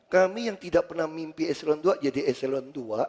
kami yang tidak pernah mimpi eselon dua jadi eselon dua